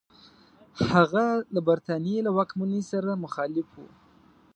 هغه له برټانیې له واکمنۍ سره مخالف وو.